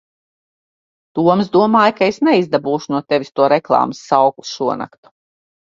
Toms domāja, ka es neizdabūšu no tevis to reklāmas saukli šonakt.